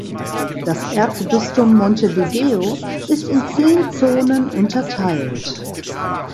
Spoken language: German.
Das Erzbistum Montevideo ist in zehn Zonen unterteilt.